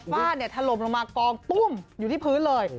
บ้านถล่มลงมากองตุ้มอยู่ที่พื้นเลย